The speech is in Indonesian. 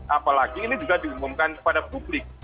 apalagi ini juga diumumkan kepada publik